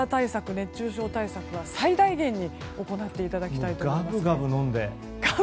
熱中症対策は最大限に行っていただきたいと思います。